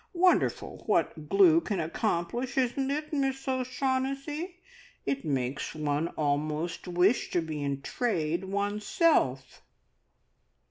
Wonderful what glue can accomplish, isn't it, Miss O'Shaughnessy? it makes one almost wish to be in trade oneself!"